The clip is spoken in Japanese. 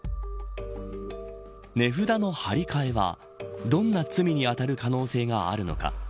値札の貼り替えはどんな罪に当たる可能性があるのか。